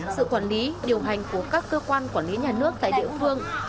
sự quản lý điều hành của các cơ quan quản lý nhà nước tại địa phương